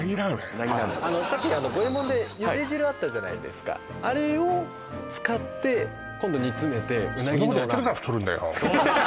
・さっき五右衛門で茹で汁あったじゃないですかあれを使って今度煮詰めてそうなんです